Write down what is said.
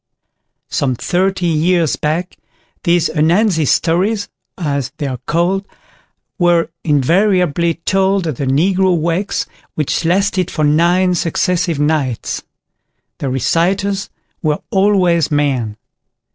Some thirty years back these "Ananzi Stories", as they are called, were invariably told at the Negro wakes, which lasted for nine successive nights. The reciters were always men.